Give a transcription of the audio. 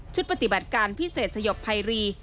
ปฏิบัติการพิเศษสยบภัยรี